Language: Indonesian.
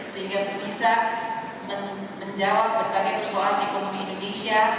sehingga bisa menjawab berbagai persoalan ekonomi indonesia